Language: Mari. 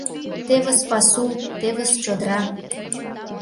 — Тевыс пасу, тевыс чодыра!